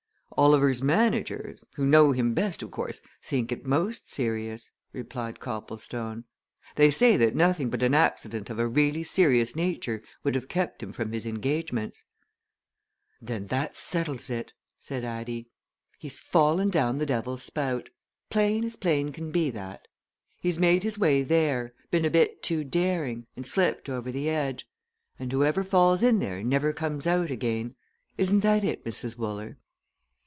"Oliver's managers who know him best, of course think it most serious," replied Copplestone. "They say that nothing but an accident of a really serious nature would have kept him from his engagements." "Then that settles it!" said Addie. "He's fallen down the Devil's Spout. Plain as plain can be, that! He's made his way there, been a bit too daring, and slipped over the edge. And whoever falls in there never comes out again! isn't that it, Mrs. Wooler?"